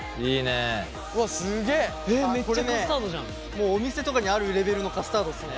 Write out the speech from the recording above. もうお店とかにあるレベルのカスタードっすね。